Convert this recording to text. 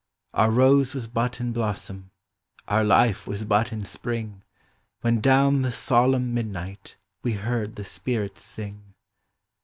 Our Kose was but in blossom. Our life was but in spring, When down the solemn midnight We heard the spirits sing.